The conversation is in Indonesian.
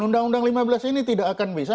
undang undang lima belas ini tidak akan bisa